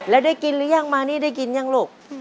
แล้วได้กินหรือยังมานี่ได้กินยังลูก